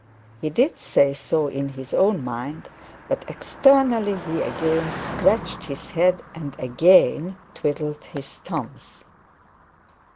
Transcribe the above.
He did say so in his own mind, but externally he again scratched his head and again twiddled his thumbs.